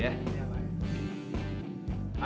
iya pak ya